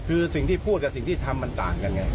คือสิ่งที่พูดกับสิ่งที่ทำมันต่างกันไง